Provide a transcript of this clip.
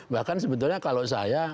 bahkan sebetulnya kalau saya